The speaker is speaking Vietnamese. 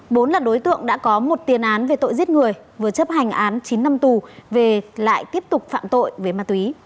bốn là đối tượng đã có một tiền án về tội giết người vừa chấp hành án chín năm tù về lại tiếp tục phạm tội với ma túy